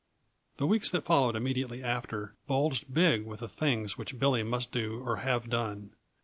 "_ The weeks that followed immediately after bulged big with the things which Billy must do or have done.